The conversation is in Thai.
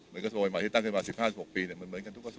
เป็นกระโสนใหม่ที่ตั้งขึ้นมา๑๕๑๖ปียังมีเหมือนกันทุกกระโสน